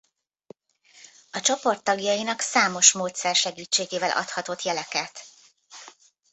A csoport tagjainak számos módszer segítségével adhatott jeleket.